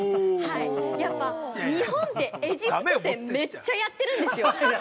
やっぱ、日本でエジプト展めっちゃやってるんですよ。